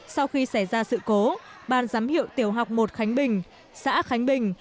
sau khi xảy ra sự cố ban giám hiệu tiểu học một khánh bình xã khánh bình